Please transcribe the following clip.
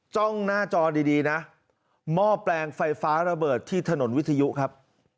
จ้องหน้าจอดีดีนะหม้อแปลงไฟฟ้าระเบิดที่ถนนวิทยุครับ